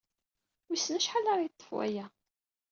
Wissen acḥal ara yeḍḍef waya.